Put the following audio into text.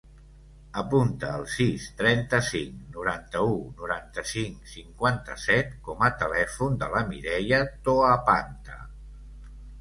Apunta el sis, trenta-cinc, noranta-u, noranta-cinc, cinquanta-set com a telèfon de la Mireia Toapanta.